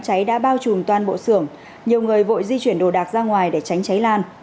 cháy đã bao trùm toàn bộ xưởng nhiều người vội di chuyển đồ đạc ra ngoài để tránh cháy lan